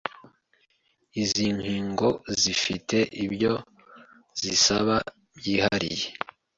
Izi nkingo zifite ibyo zisaba byihariye